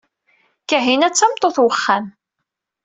Kahina d tameṭṭut n wexxam.